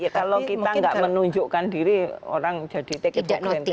kalau kita nggak menunjukkan diri orang jadi take it for granted